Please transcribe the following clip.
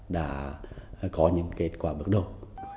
đã có những kết quả bước đầu